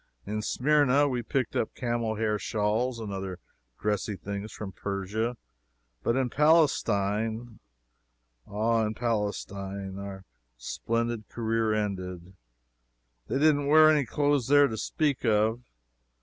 In Smyrna we picked up camel's hair shawls and other dressy things from Persia; but in Palestine ah, in Palestine our splendid career ended. They didn't wear any clothes there to speak of.